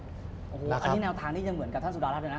อันนี้แนวทางที่จะเหมือนกับท่านสุดารับนะ